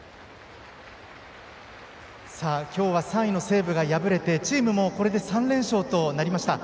きょうは３位の西武が敗れてチームもこれで３連勝となりました。